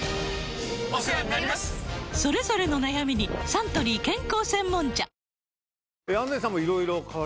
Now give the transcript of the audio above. それぞれの悩みにサントリー健康専門茶はいはい